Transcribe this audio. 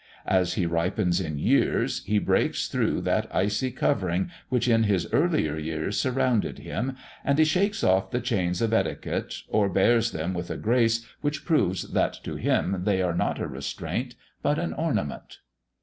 As he ripens in years, he breaks through that icy covering which in his earlier years surrounded him, and he shakes off the chains of etiquette or bears them with a grace which proves that to him they are not a restraint, but an ornament.